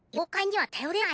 はい。